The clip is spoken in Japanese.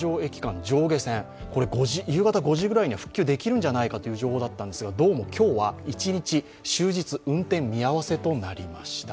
夕方５時くらいには復旧できるんじゃないかという情報だったんですけれどもどうやら今日は一日、終日運転見合わせとなりました。